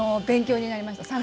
勉強になりました。